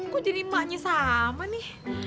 kok jadi emaknya sama nih